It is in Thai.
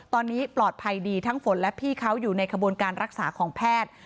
ตอนนี้ปลอดภัยดีทั้งฝนและพี่เขาอยู่ในขบวนการรักษาของแพทย์